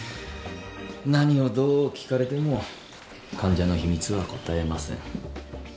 何をどう聞かれても患者の秘密は答えません。